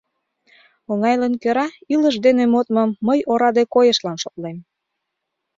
— Оҥайлан кӧра илыш дене модмым мый ораде койышлан шотлем.